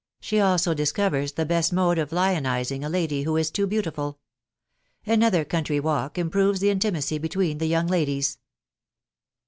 SHE ALSO DISCOVERS THE BEST MODE OF LIONISING A LADT WHO IS TOO BEAUTIFUL. ANOTHER COUNTRY WALK IMPROVES THE INTIMACY BETWEEN THE YOUNG LADIES.